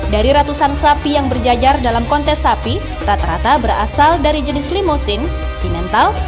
dari ratusan sapi yang berjajar dalam kontes sapi rata rata berasal dari jenis limusin simental